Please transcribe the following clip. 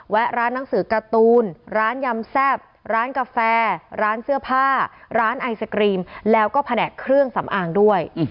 ร้านหนังสือการ์ตูนร้านยำแซ่บร้านกาแฟร้านเสื้อผ้าร้านไอศกรีมแล้วก็แผนกเครื่องสำอางด้วย